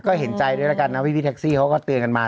ก็เห็นใจด้วยแล้วกันนะพี่แท็กซี่เขาก็เตือนกันมา